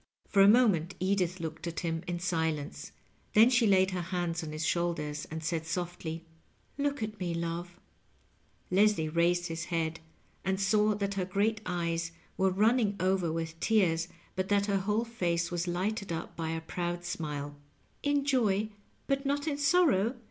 Digitized by VjOOQIC LOVE AND LIOHTNING. 219 For a moment Edith looked at him in silence. Then she laid her hands on his shoulders and said softly, ^^Look at me, love." Leslie raised his head and saw that her great eyes were running over with tears, but that her whole face was lighted up by a proud smile. " In joy, but not in sorrow!"